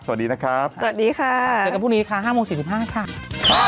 สรุปวันนี้แม่มดก็